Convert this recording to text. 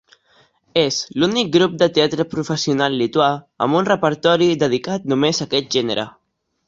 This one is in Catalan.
És l'únic grup de teatre professional lituà amb un repertori dedicat només a aquest gènere.